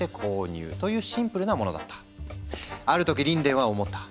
ある時リンデンは思った。